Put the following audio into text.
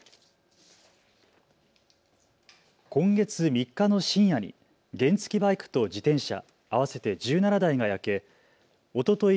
今月３日の深夜に原付きバイクと自転車合わせて１７台が焼けおととい